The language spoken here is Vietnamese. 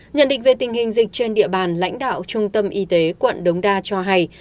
nhận định về tình hình dịch trên địa bàn lãnh đạo trung tâm y tế quận đống đa cho hay